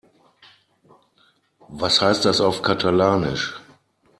Was heißt das auf Katalanisch?